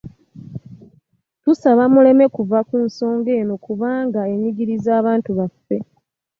Tusaba muleme kuva ku nsonga eno kubanga enyigiriza abantu baffe